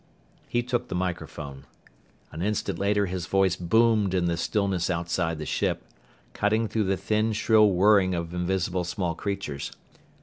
He took the microphone. An instant later his voice boomed in the stillness outside the ship, cutting through the thin shrill whirring of invisible small creatures.